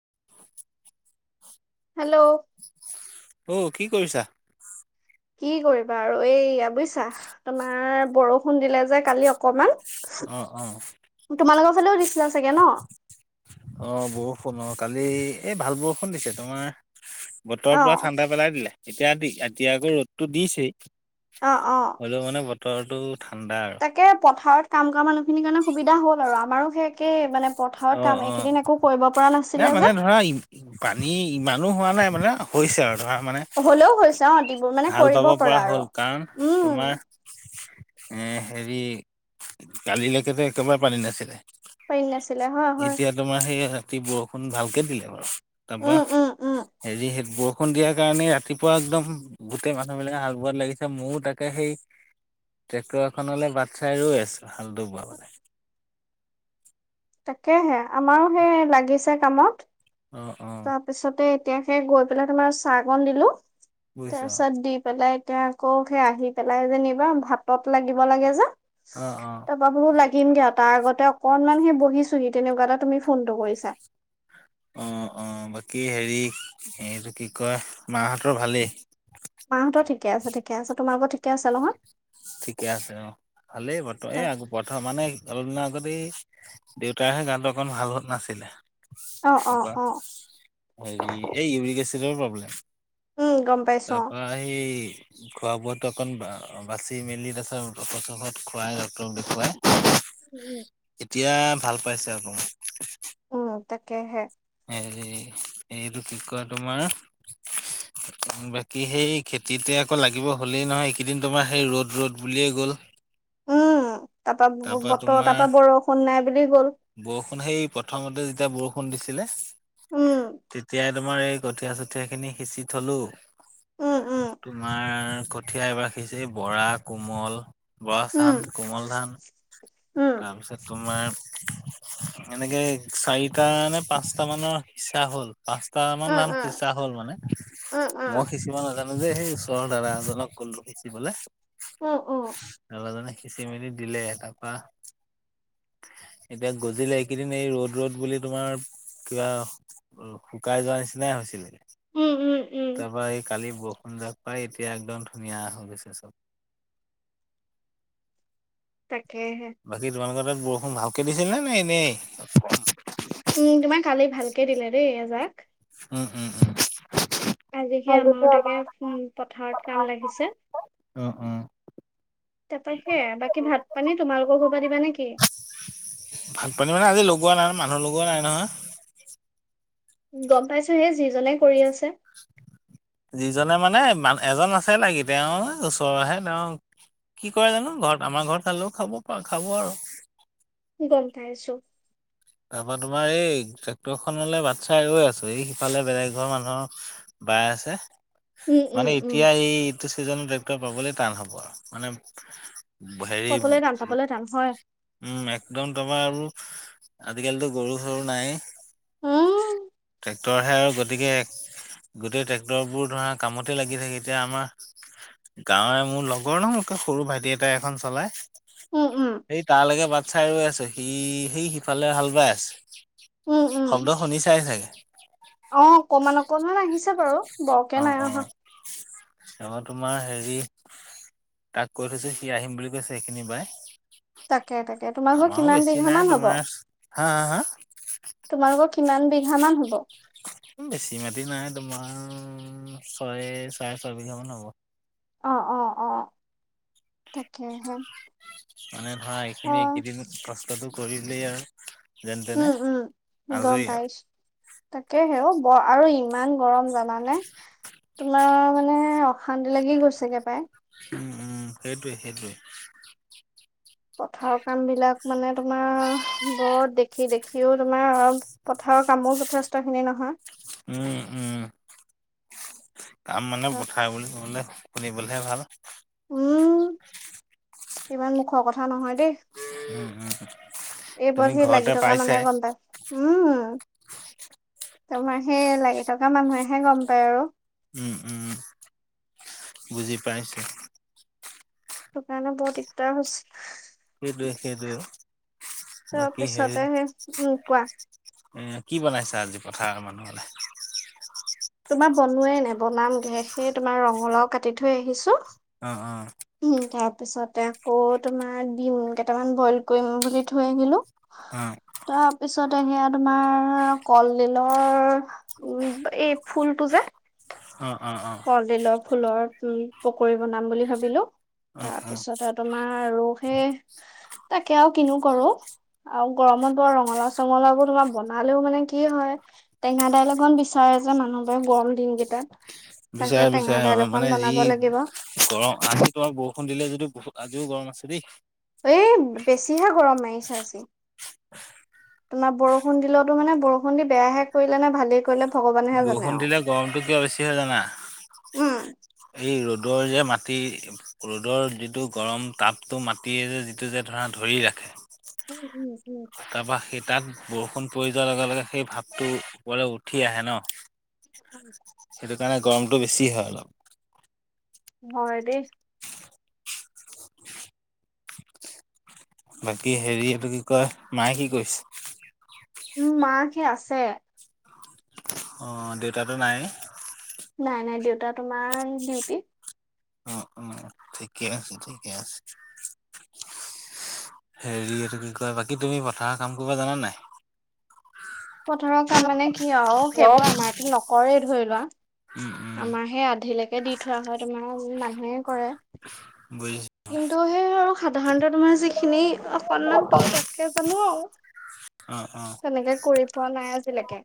[unintelligible] Hello অহ' কি কৰিছা? কি কৰিবা আৰু এইয়া বুজিছা, তোমাৰ বৰষুণ দিলে যে কালি অকমান। অ' অ' তোমালোকৰ ফালেও দিছিলা চাগে ন অ' বৰষুণ অ' কালি এই ভাল বৰষুণ দিছে তোমাৰ। বতৰৰ অ পুৰা ঠাণ্ডা পেলাই দিলে, এতিয়া এতিয়া আকৌ ৰ'দটো দিছেই। আহ, অ' তলটো তাকে পথাৰত কাম কৰা মানুহ খিনিৰ কাৰণে সুবিধা হ'ল আৰু আমাৰো সেই একেই মানে পথাৰত কাম অ' অ' এইকেইদিন একো কৰিব পৰা নাছিলে নাই যে মানে ধৰা পানী ইমানো হোৱা নাই মানে কৈছে আৰু। মানে হ'লেও হৈছে অ দিবোৰ মানে হাল কৰিব বাব পৰা আৰু হ'ল কাৰণ উম তোমাৰ এ হেৰি কালিলৈকেতো একেবাৰে পানী নাছিলে। পাৰ নছে এতিয়া তোমাৰ সেই ৰাতি বৰষুণ ভালকে দিলে বাৰু। তাৰপা উম উম উম হেৰি সে বৰষুণ দিয়াৰ কাৰণেই ৰাতিপুৱা একদম গোটেই মানুহ বিলাকে হাত বোৱাত লাগিছে ময়ো তাকে সেই ট্ৰেক্টৰ এখনলৈ বাট চাই ৰৈ আছো হালটো বোৱা মানে। তাকেহে আমাৰো সেই লাগিছে কামত অ', অ', তাৰপিছতে তেতিয়া সে গৈ পেলাই তোমাৰ চাহকন দিলো বুজিছো তাৰপিছত দি পেলাই এতিয়া আকৌ সেই আহি পেলাই যেনিবা ভাতত লাগিব লাগে যে অ', অ', অ', তপাবোৰো লাগ থিকিম দিয়া তাৰ আগতে অকনমান সি বহিছোহি তেনেকুৱা এটা তুমি ফোনটো কৰিছা। অ', অ', বাকী হেৰি এইটো কি কয় মাহাহঁতৰ ভালেই? মাহঁতৰ ঠিকে আছে, ঠিকে আছে, তোমালোকৰ ঠিকে আছে নহয়? ঠিকে আছে অ', ভালেই বথ এ আ প্ৰথম মানে [unintelligible] অলপ দিনা আগতেই দেউতাৰহে গানটো অকণ ভাল নাছিলে। অ অ তাৰাপা অ হেৰি এই ইউৰিক এচিডৰ প্ৰব্লেম উম গম পাইছো অ তাৰপা এই খোৱা বোৱটো অকণ বাচি মেলি তাৰপিছত ঔষধ চৌষধ খোৱাই ড'ক্টৰক দেখুৱাই উম। এতিয়া ভাল পাইছে আকৌ ম তাকেহে হেৰি এইটো কি কয় তোমাৰ বাকী সেই খেতিতে আকৌ লাগিব হ'লেই নহয় এইকেইদিন তোমাৰ সেই ৰ'দ ৰ'দ বুলিয়ে গ'ল। উম তাৰপা বতৰ তাৰ পৰা বৰষুণ নাই বুলি গ'ল। ফোন দিছিলে উম তেতিয়াই তোমাৰ এই কঠীয়া চঠীয়া খিনি সিঁচি থ'লো। উম উম তোমাৰ কঠীয়া এবাৰখিছে বৰা কোমল বৱাছান উম কোমল ধান তাৰপিছত তোমাৰ এনেকে চাৰিটা নে পাঁচটা মানৰ ইচ্চা হ'ল। পাঁচটা আ উম মান উম মান সিচা হ'ল মানে উম উম উম মই সিচিব নাজানো। ম যে সেই ওচৰ দাৰাজনক ক'লো সিচিবলে। অ', অ'। ল'ৰাজনে সিঁচি মেলি দিলে তাৰপা এতিয়া গজিলে এইকেইদিন এই ৰ'দ ৰ'দ বুলি তোমাৰ কিয়া শুকাই যোৱা নিচিনাই হৈছিলে উম উম উম তাৰ পৰা এ কালিব সুন্দৰকৈ এতিয়া একদম ধুনীয়া হৈ গৈছে চব। তাকেহে বাকী যোৱামাঘৰ পৰা বৰষুণ ভালকে দিছিল নে এনেই? ইতে দিলে যে এজাক। উম, উম। আজিকে আমাৰোতাকে উম, পথাৰত কাম লাগিছে। অ', অ'। তাৰপা সে বাকী ভাত পানী তোমালোকৰ ঘৰ পৰা দিবা নেকি? ভাত পানী মানে আজি লগোৱা নাই ন' মানুহৰ লগোৱা নাই নহয়। গম পাইছো সেই যিজনে কৰি আছে। যিজনে মানে মান এজন আছে নেকি তেওঁ ওচৰৰহে তেওঁ কি কৰে জানো ঘৰত আমাৰ ঘৰত খালেও খাব পা খাব আৰু গম পাইছো। তাৰ পৰাৰ তোমাৰ এই ট্ৰেক্টৰখনলৈ বাট চাই ৰৈ আছো এই সিফালে বেলেগ ঘৰ মানুহৰ বায়ে আছে। উম উম মানে উম এতিয়া এই এইটো চিজনত পাবলে টান হ'ব আৰু মানে হেৰি পাবলৈ টান পাবলৈ টান হয় উম, একদম তোমাৰ আৰু আজিকালিতো গৰু চৰু নাই। উম ট্ৰেক্টৰহে আৰু গতিকে গোটেই ট্ৰেক্টৰ বোৰৰ ধৰা কামতে লাগি থাকে এতিয়া আমাৰ গাঁৱে মোৰ লগৰ ন মোতকৈ সৰু ভাইটি এটাই এখন চলাই। উম উম সেই তালৈকে বাট চাই ৰৈ আছোঁ, সি সি সিফালে হাল বাই আছে। উম উম শব্দ শুনিচাই চাগে। তেওঁ বাৰু বৰকে অ' নাই অহা অহ'। অ', তোমাৰ হেৰি তাক কৈ থৈছোঁ, সি আহিম বুলি কৈছে, সেইখিনি পাই। তাকে, তাকে তোমাৰ ঘৰ কিমান নাই বিঘামান হ'ব? তোমাৰ হা হা হা তোমালোকৰ কিমান বিঘামান হ'ব? বেছি মাটি নাই, তোমাৰ ছয়, চাৰে ছয় বিঘামান হ'ব। অ', অ', অ', তাকেহে। মানে ধৰা অ এইখিনি, এইকেইদিন [unintelligible] কৰিলেই আৰু। যেন তেনে উম, উম, গম আজৰি আৰু। পাইছোঁ, তাকেহে অ', ব-আৰু ইমান গৰম জানানে? তোমাৰ মানে অশান্তি লাগি গৈছেগে পাই। উম, উম, সেইটোৱে, সেইটোৱে। পথাৰৰ কামবিলাক মানে তোমাৰ বৰ দেখি, দেখিয়ো তোমাৰ পথাৰ ৰৰ, কামো যথেষ্টখিনি নহয়। উম, উম, কাম মানে পথাৰ বুলি ক'বলে শুনিবলেহে ভাল। উম, ইমান মুখৰ কথা নহয়। দেই, উম, উম। এইবোৰত তুমি সেই ঘৰতে লাগি থকা মানে পাইছাই গম পাই উম। তোমাৰ সেই লাগি থকা মানুহেহে গম পায় আৰু। উম, উম, বুজি পাইছোঁ। সেইটো কাৰণে বৰ দিগদাৰ হৈছ সেইটোৱে, সেইটোৱে অ'। তাৰপিছতে সেই উম, কোৱা। এ, কি বনাইছা আজি পথাৰৰ মানুহ'লে? তোমাৰ বনোৱাই নাই বনামগে, সেই তোমাৰ ৰঙালাও কাটি থৈ আহিছোঁ। অ', অ'। তাৰপিছতে আকৌ তোমাৰ ডিম কেটামান বইল কৰিম বুলি থৈ আহিলোঁ। অ', তাৰপিছত সেয়া তোমাৰ কলডিলৰ উম, এই ফুলটো যে অ', অ', অ', কলডিলৰ ফুলৰ উম, পকৰি বনাম বুলি ভাবিলোঁ। অ', অ', তাৰপিছতে তোমাৰ আৰু সেই তাকে আৰু কিনো কৰোঁ। আৰু গৰমত বৰ ৰঙালাও, চঙলাওবোৰ তোমাৰ বনালেও মানে কি হয়, টেঙা দাইল এখন বিচাৰে যে, মানুহবাৰে গৰম দিনকেইটাত। তাকে বিচাৰে, টেঙা বিচাৰে দাইল অ', অকণ মানে যি বনাব লাগিব। গৰম [unintelligible] বৰষুণ দিলে যদিয়ো বহুত জিও গৰম আছে দেই। এই বেছিহে গৰম মাৰিছে আজি। তোমাৰ বৰষুণ দিলোয়োতো মানে বৰষুণ দি বেয়াহে কৰিলেনে, ভালেই কৰিলে ভগৱানেহে জানে বৰষুণ আৰু। দিলে গৰমটো কিয় বেছি হয়, জানা? উম। এই ৰ'দৰ যে, মাটি ৰ'দৰ যিটো গৰম তাপটো মাটিয়ে যে, যিটো যে, ধৰা ধৰি ৰাখে উম, উম, উম। তাৰপা সেই তাত বৰষুণ পৰি যোৱাৰ লগে, লগে সেই ভাৱটো ওপৰে উঠি আহে ন? উম। সেইকাৰণে গৰমটো বেছি হয়, অলপ। হয়, দেই। বাকী হেৰি এইটো কি কয়, মায়ে কি কৰিছে? উম, মা সেই আছে। অ', দেউতাটো নাই? নাই, নাই, দেউতা তোমাৰ ডিউটি। অ', অ', ঠিকে আছে, ঠিকে আছে। হেৰি এইটো কি কয়, বাকী তুমি পথাৰৰ কাম কৰিব জানানে নাই? পথাৰৰ কাম মানে কি আৰু সেইবোৰ আমাৰটো নকৰেই ধৰি লোৱা। উম উম আমাৰ সেই আধিলেকে দি থোৱা হয়, তোমাৰ মানুহে কৰে। বুজিছো। কিন্তু সেই আৰু সাধাৰণতে তোমাৰ যিখিনি অকনমান টুকটাকে জানো আও। অ' তেনেকে কৰি পোৱা নাই আজিলৈকে।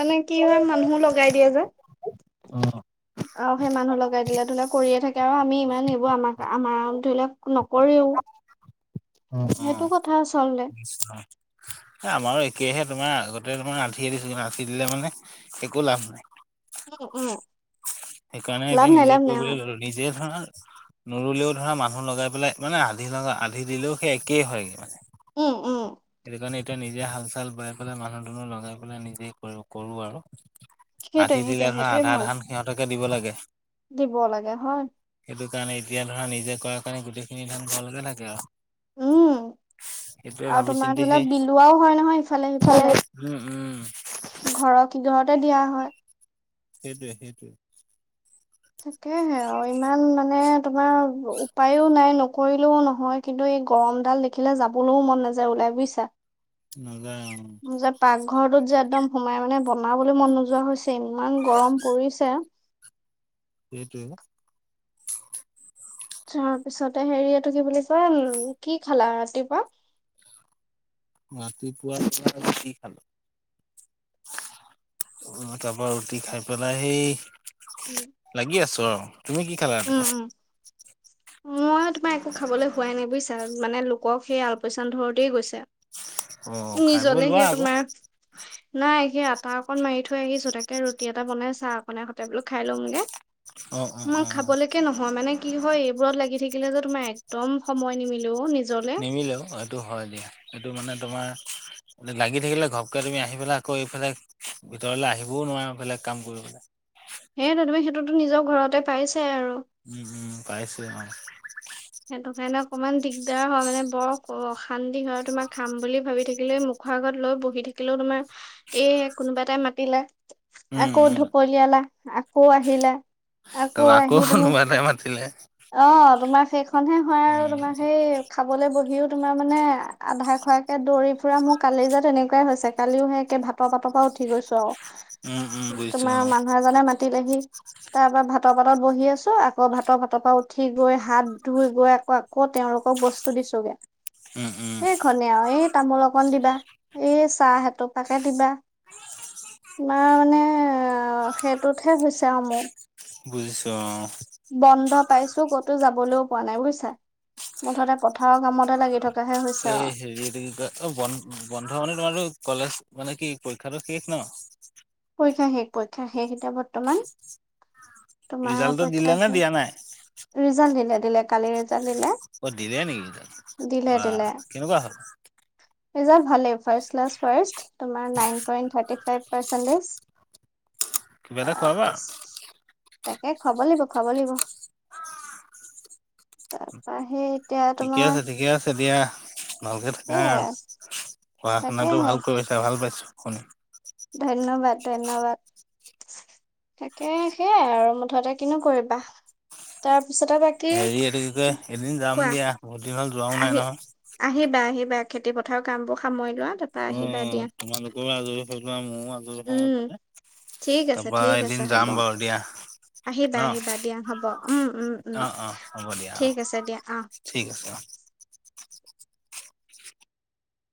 মানে কি হয় মানুহো লগাই দিয়ে যে। অ', সেই মানুহ লগাই দিলে ধৰি লোৱা কৰিয়ে থাকে আৰু আমি ইমান এই বোৰ আমাক-আমাৰ ধৰি লওঁক নকৰেও। অ', সেইটো অ', কথা আচলতে বুজিছো অ', এ আমাৰো একেই হে তোমাৰ আগতে, তোমাৰ আধিয়ে দিচিলো, আধি দিলে মানে একোয়ে লাভ নাই। উম, উম। সেইকাৰণে এতিয়া লাভ নাই নিজে লাভ নাই অ কৰিবলৈ ল'লো। নিজে ধৰা নোৰুলেও ধৰা মানুহ লগাই পেলাই মানে আধি লগা আধি দিলেও সেই একেই হয়গৈ মানে। উম, উম। সেইকাৰণে এতিয়া নিজে হাল-চাল বাই পেলাই, মানুহ-দুনহ লগাই পেলাই নিজে ক-কৰো আৰু। সেইটোৱে আধি সেইটোৱে দিলে ধৰা সেইটোৱে আধা ভাল ধান সিহঁতকে দিব লাগে। দিব লাগে, হয়। সেইটো কাৰণে এতিয়া ধৰা নিজে কৰাৰ কাৰণে গোটেইখিনি ধান ঘৰতে থাকে আৰু। উম সেইটোয়ৱে আৰু ভাবিছো তোমাৰ ধৰি লওঁক বিলোৱাও হয় নহয় ইফালে-সিফালে। উম উম। ঘৰৰ কিঘৰতে দিয়া হয়। সেইটোৱে, সেইটোৱে। তাকেহে, আৰু ইমান মানে তোমাৰ উপায়ও নাই, নকৰিলেও নহয় কিন্ত এ এই গৰমডাল দেখিলে যাবলৈও মন নাযায় ওলাই। বুজিছা? উম। মোৰ যে পাকঘৰটোত যে একদম সোমাই মানে বনাবলৈ মন নোযোৱা হৈছে, ইমান গৰম পৰিছে! সেইটোৱে অ'। তাৰপিছতে হেৰি এইটো কি বুলি কই, উম, কি খালা ৰাতিপুৱা? ৰাতিপুৱা [unintelligible] কি খালো তাৰাপা ৰুটি খাই পেলাই হেই উম লাগি আছো আৰু। তুমি কি খালা ৰাতিপুৱা? উম মই তোমাৰ একো খাবলৈ হোৱাই নাই বুজিছা। মানে লোকক সেই আলপৈচান ধৰোতেই গৈছে। অ খাই বৈ নিজলে লোৱা সে আকৌ তোমাৰ, নাই সে আতা অকণ মাৰি থৈ আহিছো। তাকে ৰুটি এটা বনাই, চাহ অকণে সৈতে বোলো খাই লওঁগে। অ অ মই অ খাবলৈকে নহয়, মানে কি হয়, এইবোৰত লাগি থাকিলে যে তোমাৰ একদম সময় নিদিলেও নিজ নিমিলেও এইটো হয়, দিয়া এইটো মানে তোমাৰ লাগি থাকিলে ঘপকে তুমি আহি পেলাই আকৌ এইফালে ভিতৰলৈ আহিবও নোৱাৰা বেলেগ কাম কৰিবলে। সেইটো, তুমি সেইটোতো নিজৰ ঘৰতে পাইছ উম, উম, পাইছোয়ে মই। সেইটো কাৰণে অকণমান দিগদাৰ হয়, মানে বৰ অ-অশান্তি হয়। তোমাক খাম বুলি ভাবি থাকিলে মুখৰ আগত লৈ বহি থাকিলেও তোমাৰ এই কোনোবা এটাই মাতিলে। উম আকৌ উম ঢপলিয়ালা, আকৌ আহিলা। আকৌ তাৰপৰা আহি তুমি কোনোবা এটাই মাতিলে অ', তোমাৰ খনহে হয়, আৰু উম তোমাৰ সেই খাবলৈ বহিয়ো তোমাৰ মানে আধা খোৱাকে দৌৰি ফুৰা, মোৰ কালি যে, তেনেকুৱাই হৈছে কালিও সেই একে ভাতৰ পাতৰ পৰা উঠি গৈছোঁ আৰু। উম উম বুজিছো তোমাৰ অ মানুহ এজনে মাতিলেহি। তাপা ভাতৰ পাতত বহি আছোঁ, আকৌ ভাতৰ ভাতৰ পৰা উঠি গৈ হাত ধুই গৈ আকৌ, আকৌ তেওঁলোকক বস্তু দিছোগে। উম উম এইখনেই আৰু এই তামোল অকণ দিবা, এই চাহ এটোপাকে দিবা। তোমাৰ মানে সেইটোতহে হৈছে আৰু মোৰ। বুজিছোঁ অ'। বন্ধ পাইছোঁ ক'তো যাবলৈও পোৱা নাই বুইছা, মুঠতে পথাৰৰ কামতে লাগি থকা এই হেৰি এইটো কি কয় অ', বন-বন্ধ মানে তোমাৰটো কলেজ মানে কি পৰীক্ষাতো শেষ ন? পৰীক্ষা শেষ, পৰীক্ষা শেষ এতিয়া বৰ্তমান। তোমাৰ ৰিজাল্টটো দিলে পৰীক্ষাৰ নে সেই, দিয়া নাই ৰিজাল্ট দিলে, দিলে কালি ৰিজাল্ট দিলে অ', দিলে নেকি? দিলে দিলে ৱাহ, কেনেকুৱা হ'ল? ৰিজাল্ট ভালে, ফাৰ্ষ্ট ক্লাছ ফ্লাৰ্ষ্ট, তোমাৰ nine point thirty five percentage. কিবা এটা খোৱাবা। তাকে, খোৱাব লাগিব, খোৱিব লাগিব। তাৰপা সেই এতিয়া ঠিকে তোমাৰ আছে, ঠিকে আছে দিয়া। ভালকে থাকা সেইয়াই আৰু, পঢ়া তাকে শুনাটো ভাল কৰিছা ভাল পাইছোঁ শুনি। ধন্যবাদ, ধন্যবাদ। তাকে, সেইয়াই আৰু মুঠতে কিনো কৰিবা? তাৰ পিছতে বাকী হেৰি এইটো কি কয়, এদিন যাম কোৱা দিয়া, বহুতদিন হ'ল যোৱাও আহি নাই নহয়। আহিবা, আহিবা খেতি পথাৰৰ কামবোৰ সামৰি লোৱা। তাৰপা আহিবা দিয়া অ', তোমালোকো আজৰি হৈ লোৱা, ময়ো আজৰি হওঁ উম সেইফালে। ঠিক আছে তাপা ঠিক আছে এদিন হ'ব যাম বাৰু দিয়া। আহিবা, ন আহিবা দিয়া হ'ব, উম, উম, উম, অ অ হ'ব দিয়া অ ঠিক আছে দিয়া, অ'। ঠিক আছে অ